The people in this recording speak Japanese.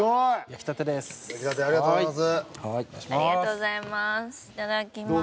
吉高：ありがとうございます。